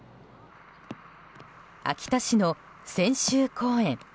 秋田市の千秋公園。